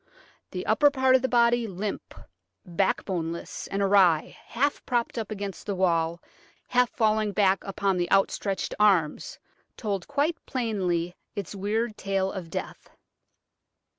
The upper part of the body, limp, backboneless, and awry, half propped up against the wall, half falling back upon the outstretched arms, told quite plainly its weird tale of death.